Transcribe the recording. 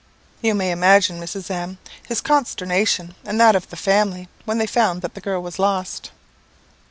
"You may imagine, Mrs. M , his consternation, and that of the family, when they found that the girl was lost.